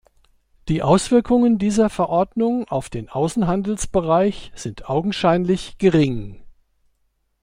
Die Auswirkungen dieser Verordnung auf den Außenhandelsbereich sind augenscheinlich gering.